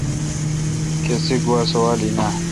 کسی گوا سوال این اؘ۔